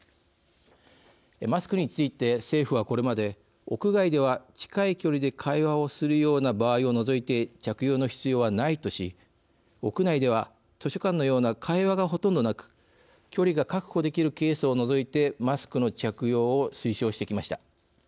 マスクについて、政府はこれまで屋外では近い距離で会話をするような場合を除いて着用の必要はないとし屋内では図書館のような会話がほとんどなく距離が確保できるケースを除いてマスクの着用を推奨してきました。